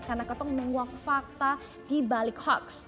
karena ketong menguak fakta dibalik hoax